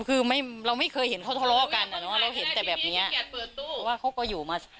คือไม่เราไม่เคยเห็นเขาทะเลาะกันนะพี่พีชนึงเห็นแต่แบบนี้ไม่จับเป็นตู้